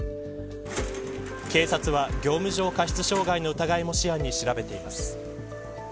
警察は業務上過失傷害の疑いも視野に調べています。